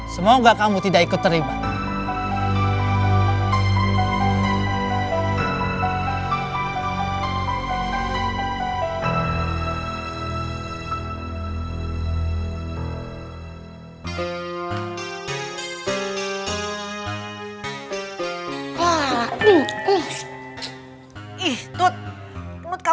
semoga kamu tidak ikut terlibat